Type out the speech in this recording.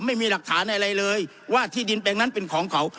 ไม่มีหลักฐานอะไรเลยว่าที่ดินแปลงนั้นเป็นของเขา